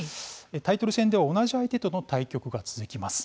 タイトル戦では同じ相手との対局が続きます。